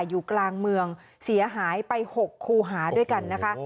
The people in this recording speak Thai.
อยู่กลางเมืองเสียหายไป๖คูหาด้วยกันนะคะ